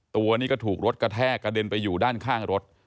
ตัวนี้ก็ถูกรถกระแทกกระเด็นไปอยู่ด้านข้างรถ